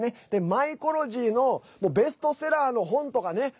マイコロジーのベストセラーの本とかね。